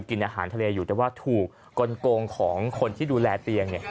กินอาหารทะเลอยู่แต่ว่าถูกกลงของคนที่ดูแลเตียง